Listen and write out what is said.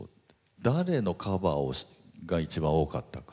誰のカバーが一番多かったか。